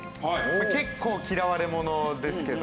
結構嫌われ者ですけど。